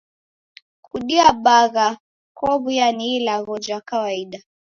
Kudia bagha kowuya ni ilagho ja kawaida.